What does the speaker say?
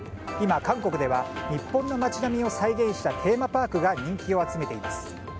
今、韓国では日本の街並みを再現したテーマパークが人気を集めています。